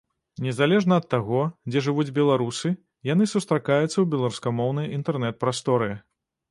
Незалежна ад таго, дзе жывуць беларусы, яны сустракаюцца ў беларускамоўнай інтэрнэт-прасторы.